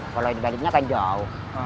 kalau di baliknya kan jauh